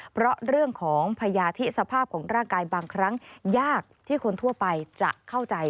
เพราะเรื่องของพยาธิสภาพของร่างกายบางครั้งยากที่คนทั่วไปจะเข้าใจ